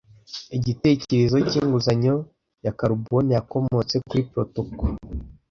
Igitekerezo cyinguzanyo ya karubone yakomotse kuri protocal